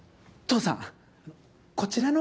父さん？